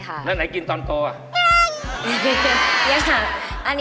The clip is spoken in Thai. อันนี้เคยกินตอนเด็ก